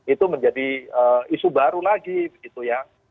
itu menjadi isu baru lagi begitu ya